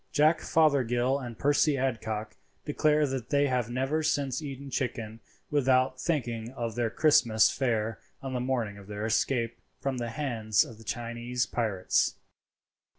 Jack Fothergill and Percy Adcock declare that they have never since eaten chicken without thinking of their Christmas fare on the morning of their escape from the hands of the Chinese pirates.